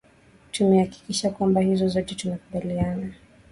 tumehakikisha kwamba hizo zote tumekubaliana